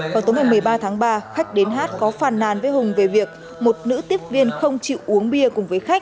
hồi tối một mươi ba tháng ba khách đến hát có phàn nàn với huỳnh minh hùng về việc một nữ tiếp viên không chịu uống bia cùng với khách